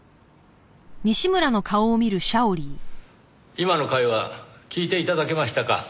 今の会話聞いて頂けましたか？